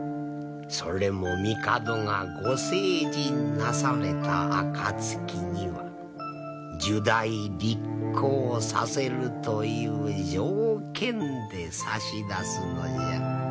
それも帝がご成人なされた暁には入内立后させるという条件で差し出すのじゃ。